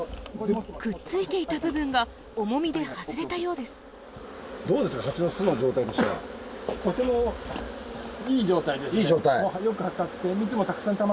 くっついていた部分が重みで外れたようですいい状態。